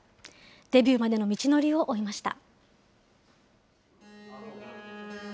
デビューまでの道のりを追いました。